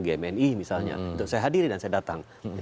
gmi misalnya saya hadir dan saya datang